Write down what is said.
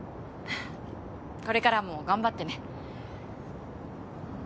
これからも頑張ってね。